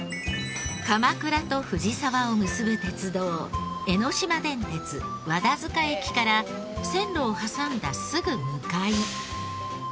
鎌倉と藤沢を結ぶ鉄道江ノ島電鉄和田塚駅から線路を挟んだすぐ向かい。